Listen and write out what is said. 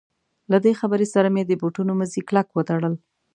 له دې خبرې سره مې د بوټونو مزي کلک وتړل.